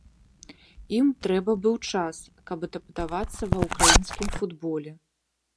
Ім трэба быў час, каб адаптавацца ва ўкраінскім футболе.